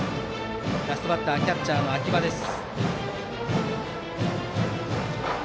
ラストバッターはキャッチャーの秋葉です。